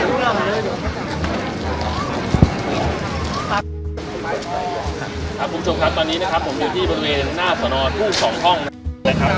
คุณผู้ชมครับตอนนี้นะครับผมอยู่ที่บริเวณหน้าสนทุ่งสองห้องนะครับ